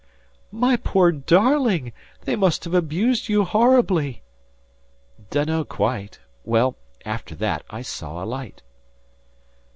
"My poor darling! They must have abused you horribly." "Dunno quite. Well, after that, I saw a light."